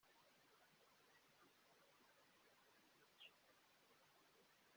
imvura yaraguye abantu baratatana birangira Jay Polly atabonanye na Sisqo